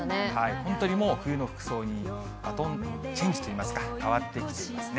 本当にもう、冬の服装にチェンジといいますか、変わってきていますね。